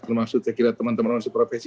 termaksud saya kira teman teman organisasi profesi